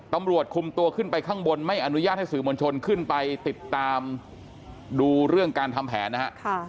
ตำรวจคุมตัวขึ้นไปข้างบนไม่อนุญาตให้สื่อมวลชนขึ้นไปติดตามดูเรื่องการทำแผนนะฮะ